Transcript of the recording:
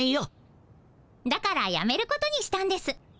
だからやめることにしたんです。